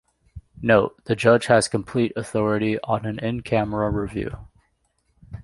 Note: The judge has complete authority on an in-camera review.